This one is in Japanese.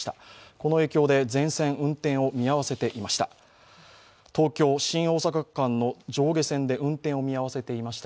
この影響で全線運転を見合わせていました。